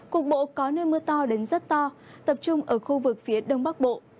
cục bộ có nơi mưa to đến rất to tập trung ở khu vực phía đông bắc bộ